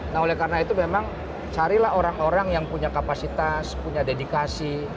nah oleh karena itu memang carilah orang orang yang punya kapasitas punya dedikasi